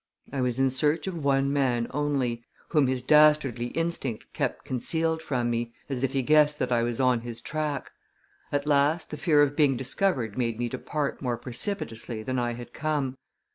I was in search of one man only, whom his dastardly instinct kept concealed from me, as if he guessed that I was on his track. At last the fear of being discovered made me depart more precipitately than I had come.